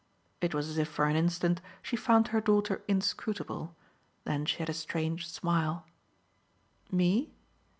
It was as if for an instant she found her daughter inscrutable; then she had a strange smile. "Me?"